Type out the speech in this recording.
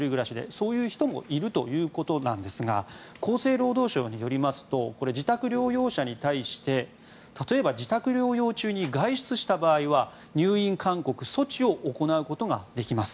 そういう人もいるということなんですが厚生労働省によりますと自宅療養者に対して例えば自宅療養中に外出した場合は入院勧告・措置を行うことができます。